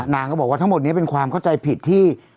นางก็บอกว่าทั้งหมดนี้เป็นความเข้าใจผิดที่